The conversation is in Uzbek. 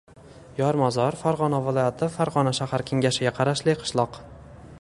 Yormozor – Farg‘ona viloyati Farg‘ona shahar kengashiga qarashli qishloq.